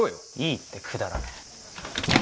いいってくだらねえ。